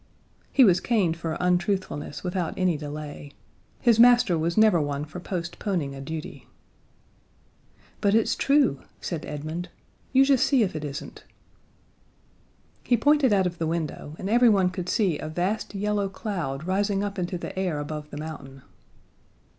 He was caned for untruthfulness without any delay. His master was never one for postponing a duty. "But it's true," said Edmund. "You just see if it isn't." He pointed out of the window, and everyone could see a vast yellow cloud rising up into the air above the mountain.